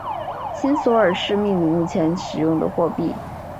新索尔是秘鲁目前使用的货币。